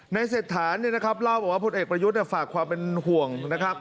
ในเศรษฐานเราบอกว่าพลเอกประยุทธ์ฝากความเป็นห่วงนะครับ